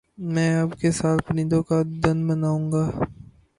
میں اب کے سال پرندوں کا دن مناؤں گا